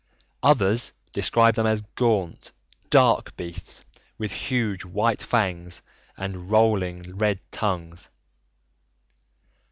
Others describe them as gaunt, dark beasts with huge white fangs and lolling red tongues.